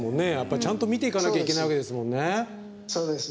ちゃんと見ていかなきゃいけないわけですね。